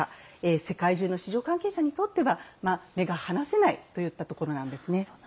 世界中の市場関係者にとっては目が離せないといったところなんですね。